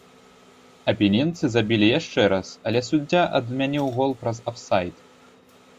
Апенінцы забілі яшчэ раз, але суддзя адмяніў гол праз афсайд.